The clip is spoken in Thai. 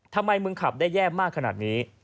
ทำไมมึงขับได้แย่มากขนาดนี้